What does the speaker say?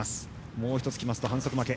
もう１つきますと反則負け。